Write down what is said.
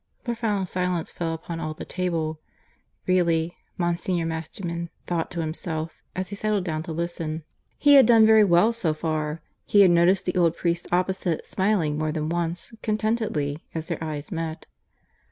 A profound silence fell upon all the table. Really, Monsignor Masterman thought to himself, as he settled down to listen, he had done very well so far. He had noticed the old priest opposite smiling more than once, contentedly, as their eyes met.